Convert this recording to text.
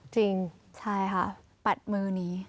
จริงใช่ค่ะปัดมือนี้